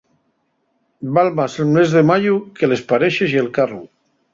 Val más el mes de mayu, que les parexes y el carru.